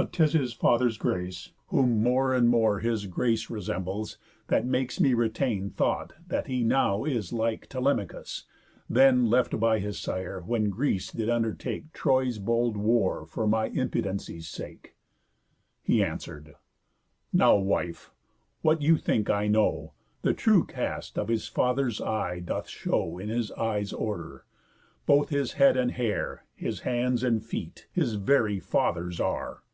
But 'tis his father's grace, whom more and more His grace resembles, that makes me retain Thought that he now is like Telemachus, then Left by his sire, when Greece did undertake Troy's bold war for my impudency's sake." He answer'd: "Now wife, what you think I know, The true cast of his father's eye doth show In his eyes' order. Both his head and hair, His hands and feet, his very father's are.